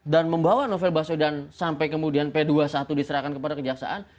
dan membawa novel baswedan sampai kemudian p dua puluh satu diserahkan kepada kejaksaan